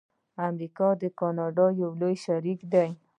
امریکا د کاناډا لوی شریک دی.